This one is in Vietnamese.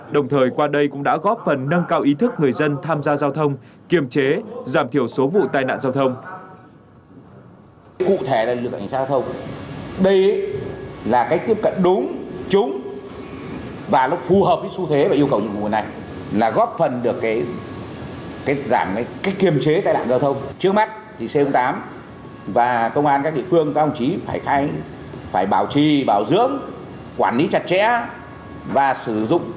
đồng thời qua đây cũng đã góp phần nâng cao ý thức người dân tham gia giao thông kiềm chế giảm thiểu số vụ tai nạn giao thông